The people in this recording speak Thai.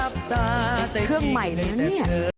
เครื่องใหม่เลยนะเนี่ย